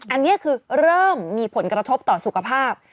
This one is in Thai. อันนี้คือเริ่มมีผลกระทบต่อสุขภาพ